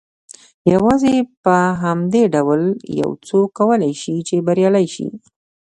يوازې په همدې ډول يو څوک کولای شي چې بريالی شي.